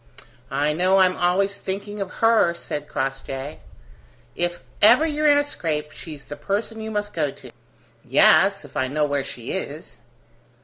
"I know I'm always thinking of her," said Crossjay. "If ever you're in a scrape, she's the person you must go to." "Yes, if I know where she is!"